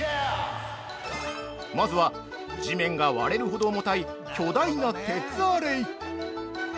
まずは、地面が割れるほど重たい巨大な鉄アレイ。